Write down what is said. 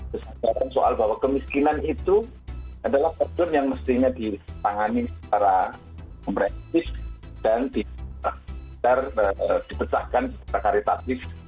sesuatu soal bahwa kemiskinan itu adalah problem yang mestinya ditangani secara komprensif dan dibecahkan secara karitatif